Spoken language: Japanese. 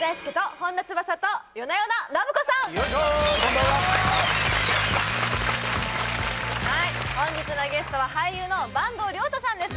本日のゲストは俳優の坂東龍汰さんです